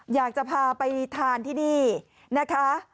อยากจะพาไปทานที่นี่นะคะ